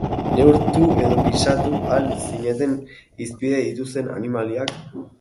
Neurtu edo pisatu al zituzten hizpide dituzten animaliak?